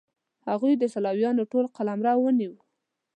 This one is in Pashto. هغوی د سلاویانو ټول قلمرو ونیو.